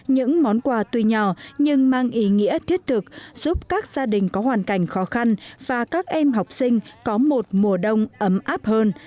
những món quà tuy nhỏ nhưng mang ý nghĩa thiết thực giúp các gia đình có hoàn cảnh khó khăn và các em học sinh có một mùa đông ấm áp hơn